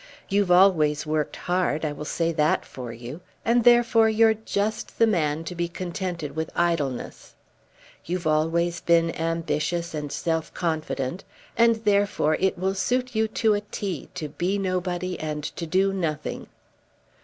You've always worked hard, I will say that for you; and therefore you're just the man to be contented with idleness. You've always been ambitious and self confident, and therefore it will suit you to a T, to be nobody and to do nothing."